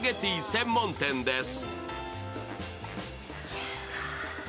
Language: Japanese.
専門店です。